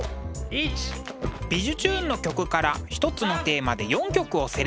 「びじゅチューン！」の曲から一つのテーマで４曲をセレクト。